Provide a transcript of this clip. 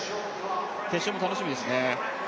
決勝も楽しみですね。